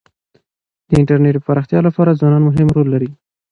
د انټرنيټ د پراختیا لپاره ځوانان مهم رول لري.